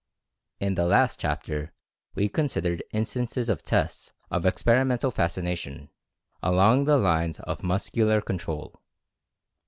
In the last chapter we considered instances of tests of Experimental Fascination, along the lines of Mus cular Control.